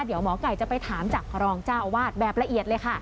เดี๋ยวหมอไก่จะไปถามจากรองเจ้าอาวาสแบบละเอียดเลยค่ะ